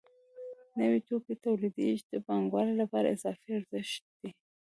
نوي توکي تولیدېږي چې د پانګوالو لپاره اضافي ارزښت دی